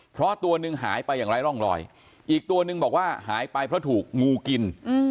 เพราะตัวหนึ่งหายไปอย่างไร้ร่องรอยอีกตัวนึงบอกว่าหายไปเพราะถูกงูกิน